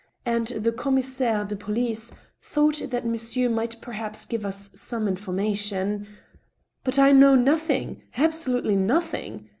.. and the commissaire de police thought that monsieur might perhaps give us some informa tion —"" But I know nothing — ^absolutely nothing."